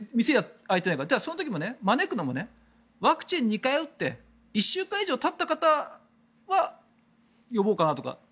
その時も、招くのもワクチンを２回打って１週間以上たった方は呼ぼうかなとか